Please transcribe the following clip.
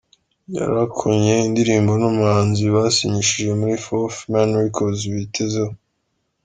yarakonye indirimbo n’umuhanzi basinyishije muri Fourth Man Records, bitezeho